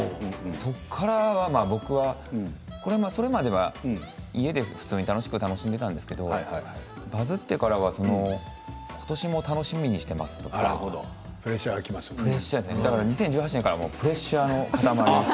そこから僕は、それまでは家で普通に楽しく楽しんでいたんですけどバズってからはことしも楽しみにしていますとかプレッシャーでだから、２０１８年からはプレッシャーの塊。